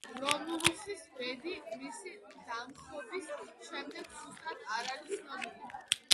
რომულუსის ბედი მისი დამხობის შემდეგ ზუსტად არ არის ცნობილი.